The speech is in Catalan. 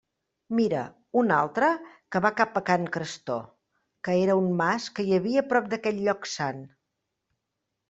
«Mira, un altre que va cap a can Crestó», que era un mas que hi havia a prop d'aquell lloc sant.